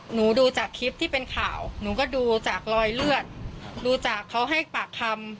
หนูดูจากคลิปที่เป็นข่าวหนูก็ดูจากรอยเลือดดูจากเขาให้ปากคำ